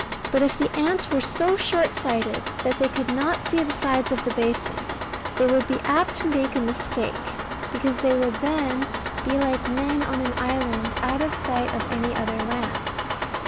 But if the ants were so short sighted that they could not see the sides of the basin, they would be apt to make a mistake, because they would then be like men on an island out of sight of any other land.